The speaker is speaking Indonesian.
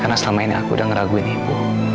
karena selama ini aku udah ngeraguin ibu